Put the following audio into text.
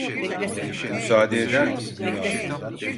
Müsaade eder misin?